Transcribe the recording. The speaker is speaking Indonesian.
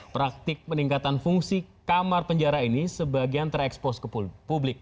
praktik peningkatan fungsi kamar penjara ini sebagian terekspos ke publik